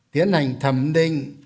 tiến hành thẩm định